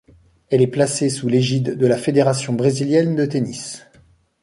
Elle est placée sous l'égide de la Fédération brésilienne de tennis.